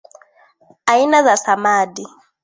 aina za samadi